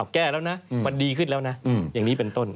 แก้แล้วนะมันดีขึ้นแล้วนะอย่างนี้เป็นต้น